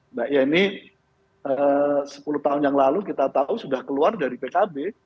mbak yeni sepuluh tahun yang lalu kita tahu sudah keluar dari pkb